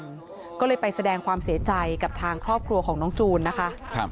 เหมือนกันก็เลยไปแสดงความเสียใจกับทางครอบครัวของน้องจูนนะคะ